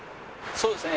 そうですね